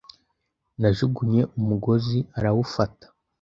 Najugunye umugozi arawufata.